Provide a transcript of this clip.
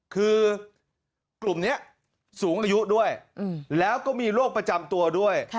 คือกลุ่มนี้สูงอายุด้วยแล้วก็มีโรคประจำตัวด้วย